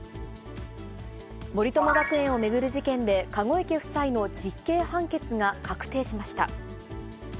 森友学園を巡る事件で、籠池夫妻の実刑判決が確定しました。